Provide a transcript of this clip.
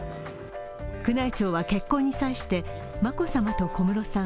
宮内庁は結婚に際して、眞子さまと小室さん